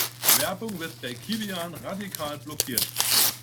Werbung wird bei Kilian radikal blockiert.